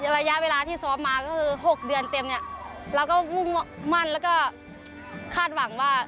ระยะเวลาที่ซ้อมมาก็คือ๖เดือนเต็มเนี่ยเราก็มุ่งมั่นแล้วก็คาดหวังว่า